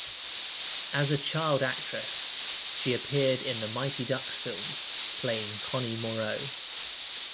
As a child actress, she appeared in the "Mighty Ducks" films playing Connie Moreau.